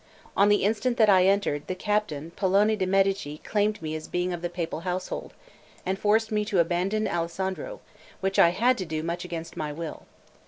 On the instant that I entered, the captain Pallone de' Medici claimed me as being of the Papal household, and forced me to abandon Alessandro, which I had to do, much against my will.